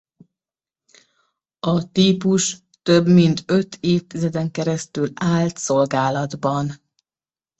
A típus több mint öt évtizeden keresztül állt szolgálatban.